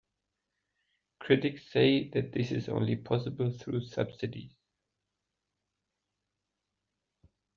Critics say that this is only possible through subsidies.